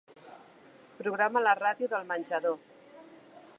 Programa la ràdio del menjador.